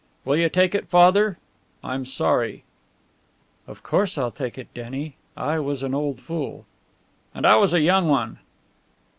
"Will you take it, Father? I'm sorry." "Of course I'll take it, Denny. I was an old fool." "And I was a young one."